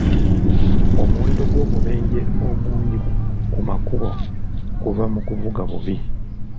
Omuwendo gw'obubenje omungi ku makubo guva mu kuvuga bubi.